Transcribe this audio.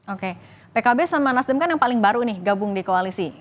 oke pkb sama nasdem kan yang paling baru nih gabung di koalisi